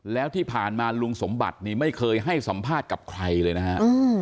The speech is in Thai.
แล้วที่ผ่านมาลุงสมบัตินี่ไม่เคยให้สัมภาษณ์กับใครเลยนะฮะ